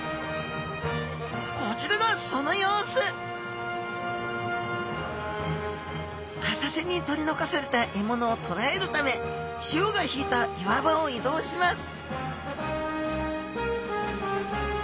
こちらがその様子浅瀬に取り残された獲物をとらえるため潮が引いた岩場を移動します